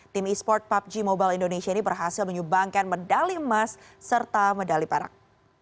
tim esport pubg mobile indonesia ini berhasil menyubangkan medali emas serta medali parang